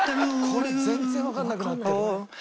これ全然わかんなくなってる。